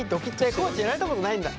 あっ地やられたことないんだ。